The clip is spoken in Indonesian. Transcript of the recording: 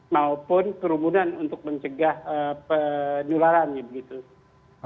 maupun kerumunan untuk mencegah penularannya begitu